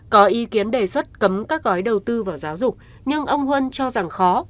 có ý kiến đề xuất cấm các gói đầu tư vào giáo dục nhưng ông huân cho rằng khó